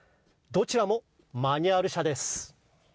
どちらもマニュアル車です。